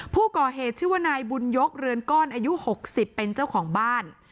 ผู้ก่อเหตุชื่อว่านายบุญยกเรือนก้อนอายุ๖๐เป็นเจ้าของบ้าน